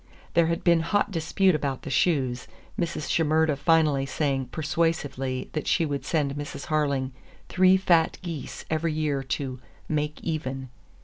There had been hot dispute about the shoes, Mrs. Shimerda finally saying persuasively that she would send Mrs. Harling three fat geese every year to "make even."